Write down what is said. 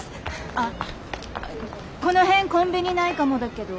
あこの辺コンビニないかもだけど。